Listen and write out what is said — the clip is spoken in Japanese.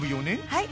はい。